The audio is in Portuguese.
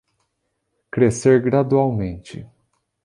Crescer gradualmente